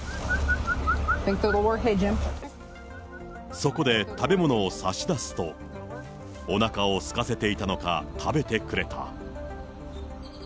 そこで食べ物を差し出すと、おなかをすかせていたのか、食べてくれた。